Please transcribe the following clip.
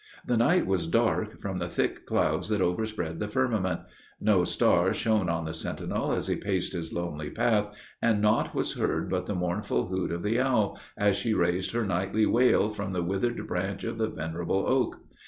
The night was dark, from the thick clouds that overspread the firmament. No star shone on the sentinel as he paced his lonely path, and naught was heard but the mournful hoot of the owl, as she raised her nightly wail from the withered branch of the venerable oak.